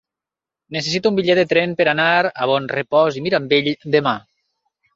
Necessito un bitllet de tren per anar a Bonrepòs i Mirambell demà.